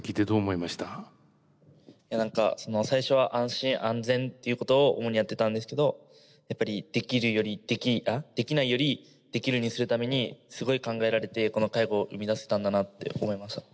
いや何か最初は安心安全っていうことを主にやってたんですけどやっぱりできないよりできるにするためにすごい考えられてこの介護を生み出せたんだなって思いました。